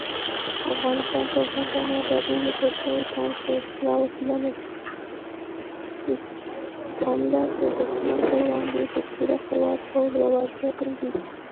کنډک د دښمن په وړاندې په پوره قوت او زړورتیا جنګیږي.